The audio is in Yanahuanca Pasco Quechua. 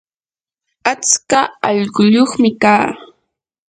atska allquyuqmi kaa.